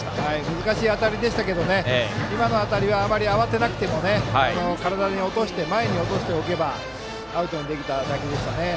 難しい当たりでしたが今の当たりはあまり慌てなくても体で前に落としておけばアウトにできた打球でしたね。